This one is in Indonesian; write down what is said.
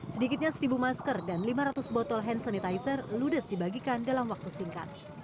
sedikitnya seribu masker dan lima ratus botol hand sanitizer ludes dibagikan dalam waktu singkat